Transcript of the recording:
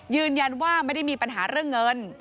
ยืนยันว่าไม่ได้มีปัญหาเรื่องเงิน